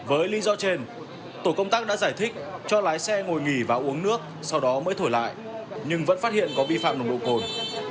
với lý do trên tổ công tác đã giải thích cho lái xe ngồi nghỉ và uống nước sau đó mới thổi lại nhưng vẫn phát hiện có vi phạm nồng độ cồn